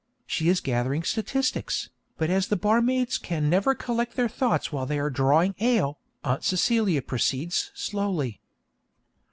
She is gathering statistics, but as the barmaids can never collect their thoughts while they are drawing ale, Aunt Celia proceeds slowly.